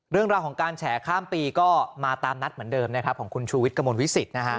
เรื่องราวของการแฉข้ามปีก็มาตามนัดเหมือนเดิมนะครับของคุณชูวิทย์กระมวลวิสิตนะฮะ